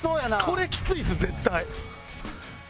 これきついです絶対。